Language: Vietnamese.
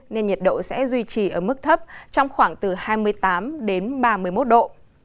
nên nhiệt độ sẽ duy trì ở mức thấp trong khoảng từ hai mươi tám đến ba mươi một độ